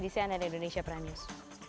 di cnn indonesia prime news